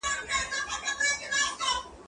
دا زده کړه له هغه ګټوره ده؟!